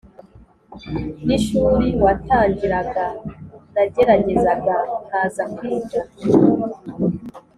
n ishuri watangiraga nageragezaga nkaza kwiga